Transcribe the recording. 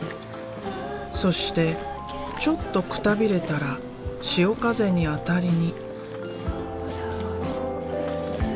そしてちょっとくたびれたら潮風にあたりに。